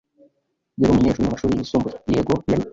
"Yari umunyeshuri mu mashuri yisumbuye?" "Yego, yari."